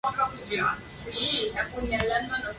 La fronda no posee ramificaciones y se angosta hacia su extremo.